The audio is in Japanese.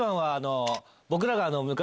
僕らが昔。